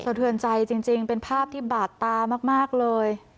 เทือนใจจริงเป็นภาพที่บาดตามากเลย